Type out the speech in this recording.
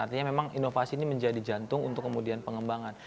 artinya memang inovasi ini menjadi jantung untuk kemudian pengembangan